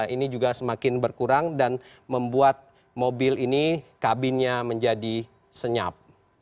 ini juga semakin berkurang dan membuat mobil ini kabinnya menjadi senyap